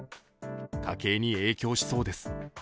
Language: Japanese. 家計に影響しそうです。